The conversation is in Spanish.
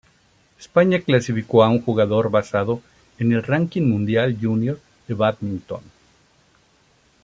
España clasificó a un jugador basado en el ranking mundial junior de bádminton.